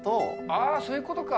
あ、そういうことか。